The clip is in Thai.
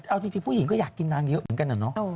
เอาจริงผู้หญิงก็อยากกินนางเยอะเหมือนกันอะเนาะ